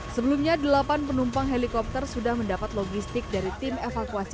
sebelumnya delapan penumpang helikopter sudah mendapat logistik dari tim evakuasi